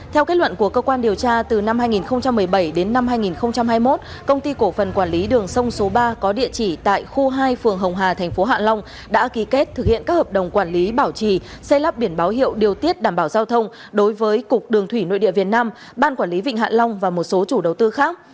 theo kết luận của cơ quan điều tra từ năm hai nghìn một mươi bảy đến năm hai nghìn hai mươi một công ty cổ phần quản lý đường sông số ba có địa chỉ tại khu hai phường hồng hà thành phố hạ long đã ký kết thực hiện các hợp đồng quản lý bảo trì xây lắp biển báo hiệu điều tiết đảm bảo giao thông đối với cục đường thủy nội địa việt nam ban quản lý vịnh hạ long và một số chủ đầu tư khác